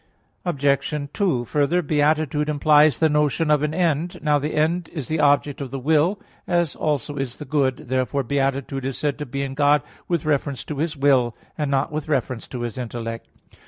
Obj. 2: Further, Beatitude implies the notion of end. Now the end is the object of the will, as also is the good. Therefore beatitude is said to be in God with reference to His will, and not with reference to His intellect.